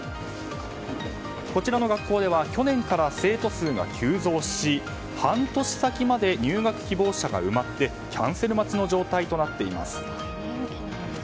こちらの学校では去年から生徒数が急増し半年先まで入学希望者が埋まってキャンセル待ちの状態となっています。